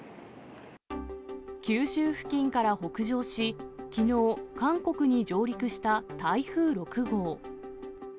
九州付近から北上し、きのう、韓国に上陸した台風６号。